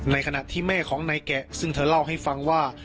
ขณะที่แม่ของนายแกะซึ่งเธอเล่าให้ฟังว่า